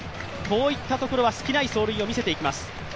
こういったところは隙のない走塁を見せていきます。